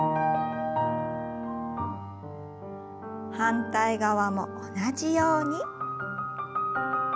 反対側も同じように。